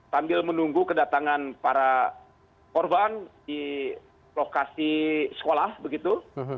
sambil menunggu kedatangan para korban di lokasi sekolah begitu